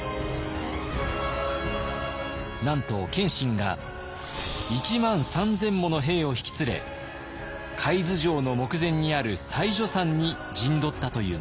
なんと謙信が１万３，０００もの兵を引き連れ海津城の目前にある妻女山に陣取ったというのです。